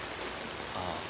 ああ。